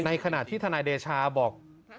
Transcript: ขณะที่ทนายเดชาบอก